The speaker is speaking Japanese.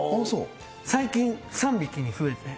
最近３匹に増えて。